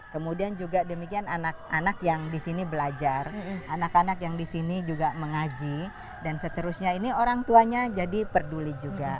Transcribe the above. kemudian juga demikian anak anak yang di sini belajar anak anak yang di sini juga mengaji dan seterusnya ini orang tuanya jadi peduli juga